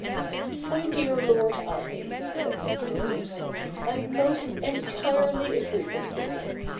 ' My dear Lord Allen,' said Mr. Luke, ' I most entirely agree with you.